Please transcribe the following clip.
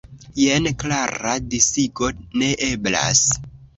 Jen klara disigo ne eblas.